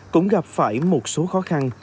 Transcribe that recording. cũng gặp phải một số khó khăn